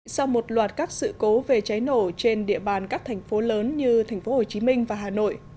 sau một loạt các sự cố về cháy nổ trên địa bàn các thành phố lớn như thành phố hồ chí minh và hà nội